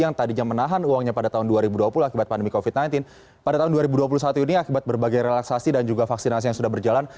yang tadinya menahan uangnya pada tahun dua ribu dua puluh akibat pandemi covid sembilan belas pada tahun dua ribu dua puluh satu ini akibat berbagai relaksasi dan juga vaksinasi yang sudah berjalan